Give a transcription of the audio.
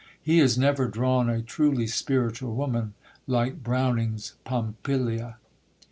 He has never drawn a truly spiritual woman, like Browning's Pompilia.